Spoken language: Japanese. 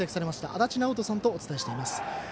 足達尚人さんとお伝えしています。